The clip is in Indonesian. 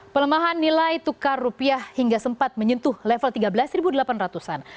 pelemahan nilai tukar rupiah hingga sempat menyentuh level tiga belas delapan ratus an